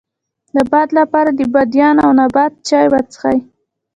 د باد لپاره د بادیان او نبات چای وڅښئ